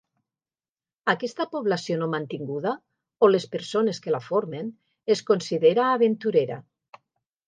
Aquesta població no mantinguda, o les persones que la formen, es considera aventurera.